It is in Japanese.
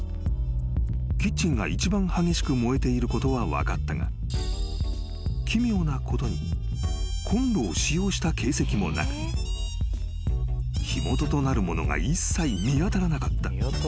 ［キッチンが一番激しく燃えていることは分かったが奇妙なことにこんろを使用した形跡もなく火元となるものが一切見当たらなかった］